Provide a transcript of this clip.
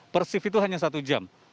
per shift itu hanya satu jam